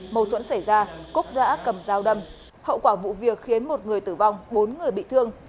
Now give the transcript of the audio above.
mâu thuẫn xảy ra cúc đã cầm dao đâm hậu quả vụ việc khiến một người tử vong bốn người bị thương